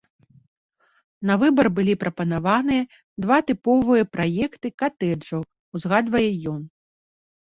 На выбар былі прапанаваныя два тыповыя праекты катэджаў, узгадвае ён.